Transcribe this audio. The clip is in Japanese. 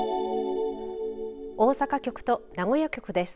大阪局と名古屋局です。